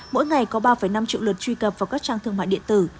mỗi ngày có ba năm triệu lượt truy cập vào các trang thương mại điện tử